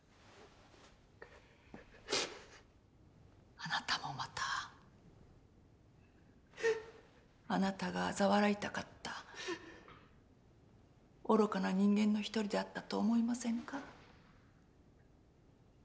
あなたもまたあなたがあざ笑いたかった愚かな人間の一人であったと思いませんか？